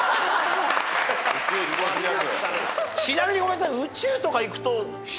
ちなみにごめんなさい。